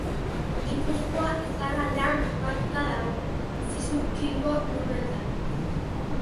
Gipuzkoa iparraldean kokatua dago, Zizurkilgo lurretan.